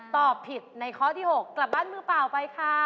ตอบผิดในข้อที่๖กลับบ้านมือเปล่าไปค่ะ